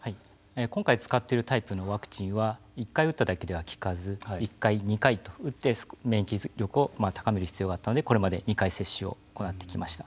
今回使っているタイプのワクチンは１回打っただけでは効かず１回、２回と打って免疫力を高める必要があったのでこれまで２回接種を行ってきました。